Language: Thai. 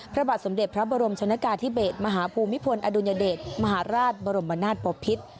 พระบาทสมเด็จพระบรมชนกาธิเบศมหาภูมิพลอดุลยเดชมหาราชบรมนาศปภิษ